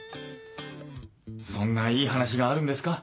そんないい話があるんですか？